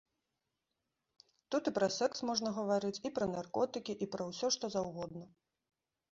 Тут і пра секс можна гаварыць, і пра наркотыкі і пра ўсё, што заўгодна.